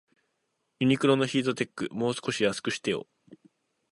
ユニクロのヒートテック、もう少し安くしてよ